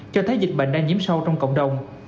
cho thấy dịch bệnh đang nhiễm sâu trong cộng đồng